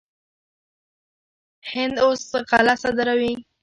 هند اوس غله صادروي.